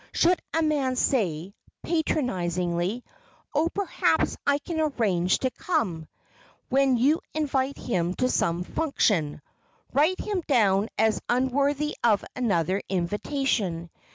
Should a man say, patronizingly, "Oh, perhaps I can arrange to come,"—when you invite him to some function, write him down as unworthy of another invitation.